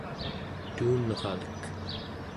tuunralek